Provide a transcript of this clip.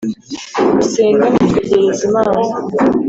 Gusenga bitwegereza Imana